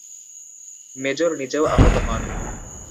Major নিজেও আহত হন।